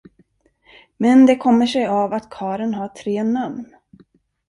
Men det kommer sig av att karlen har tre namn.